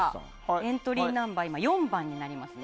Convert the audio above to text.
エントリーナンバー４番になりますね。